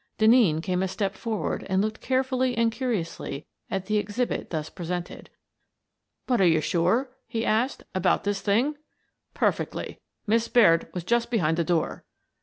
Denneen came a step forward and looked carefully and curiously at the exhibit thus presented. "But are you sure," he asked, "about this thing?" " Perfectly. Miss Baird was just behind the door."